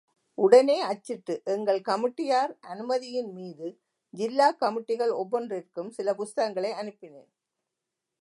உடனே அச்சிட்டு, எங்கள் கமிட்டியார் அனுமதியின்மீது ஜில்லா கமிட்டிகள் ஒவ்வொன்றிற்கும் சில புஸ்தகங்களை அனுப்பினேன்.